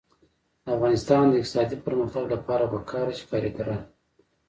د افغانستان د اقتصادي پرمختګ لپاره پکار ده چې کارګران وي.